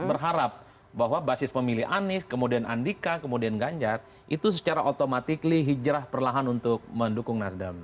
berharap bahwa basis pemilih anies kemudian andika kemudian ganjar itu secara otomatis hijrah perlahan untuk mendukung nasdem